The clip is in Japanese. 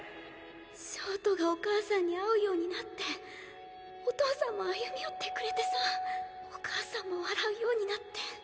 焦凍がお母さんに会うようになってお父さんも歩み寄ってくれてさお母さんも笑うようになって。